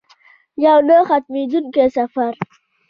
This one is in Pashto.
یو نه ختمیدونکی سفر.